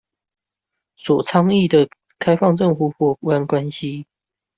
所倡議的開放政府夥伴關係